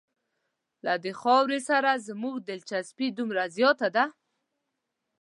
له دې خاورې سره زموږ دلچسپي دومره زیاته ده.